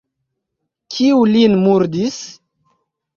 Kiu lin murdis?